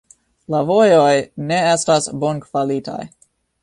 La vojoj ne estas bonkvalitaj.